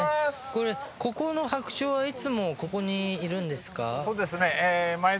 ここの白鳥はいつもここにいるんですか？